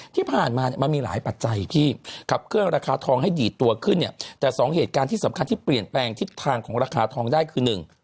ที่ผ่านมาเนี่ยมันมีหลายปัจจัยพี่ขับเคลื่อราคาทองให้ดีดตัวขึ้นเนี่ยแต่สองเหตุการณ์ที่สำคัญที่เปลี่ยนแปลงทิศทางของราคาทองได้คือหนึ่ง